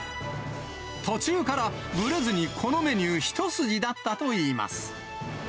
途中からぶれずにこのメニュー一筋だったといいます。